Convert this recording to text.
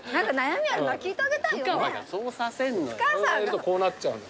俺がいるとこうなっちゃうの。